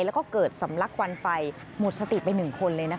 แล้วก็เกิดสำลักควันไฟหมดสติไป๑คนเลยนะคะ